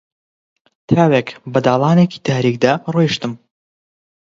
تاوێک بە داڵانێکی تاریکدا ڕۆیشتم